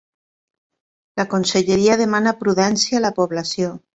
La Conselleria demana prudència a la població.